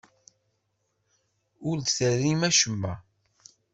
Ur d-terrim acemma.